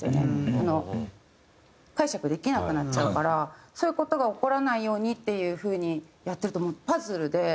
解釈できなくなっちゃうからそういう事が起こらないようにっていう風にやってるともうパズルで。